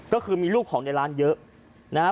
ก็คือมีรูปของในร้านเยอะ